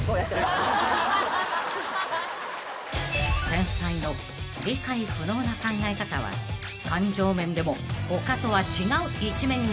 ［天才の理解不能な考え方は感情面でも他とは違う一面が］